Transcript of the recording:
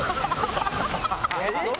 えっ？